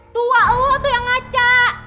tua oh tuh yang ngaca